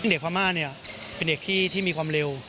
เด็กพม่าเนี่ยเป็นเด็กที่มีความเร็ว